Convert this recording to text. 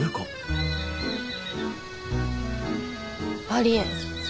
ありえん。